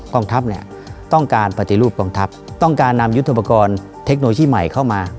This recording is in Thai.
กองทัพเนี่ยต้องการปฏิรูปกองทัพต้องการนำยุทธโปรกรณ์เทคโนโลยีใหม่เข้ามา